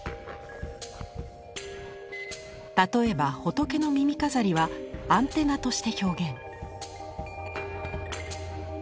例えば仏の耳飾りはアンテナとして表現。